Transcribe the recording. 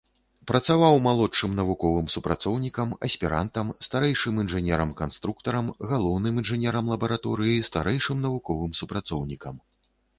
Працаваў малодшым навуковым супрацоўнікам, аспірантам, старэйшым інжынерам-канструктарам, галоўным інжынерам лабараторыі, старэйшым навуковым супрацоўнікам.